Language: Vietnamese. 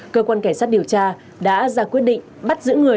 cơ quan cảnh sát điều tra đã ra quyết định bắt giữ người